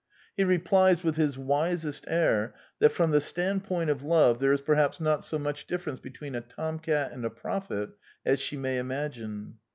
He replies, with his wisest air, that from the stand point of love there is perhaps not so much differ ence between a tomcat and a prophet as she may imagine.